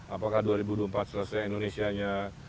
apakah dua ribu empat selesai indonesianya